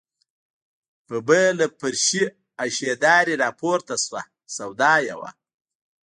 ببۍ له فرشي اشدارې راپورته شوه، سودا یې وه.